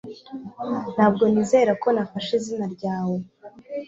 Ntabwo nizera ko nafashe izina ryawe